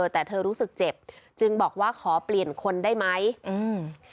แต่เธอรู้สึกเจ็บจึงบอกว่าขอเปลี่ยนคนได้ไหมอืม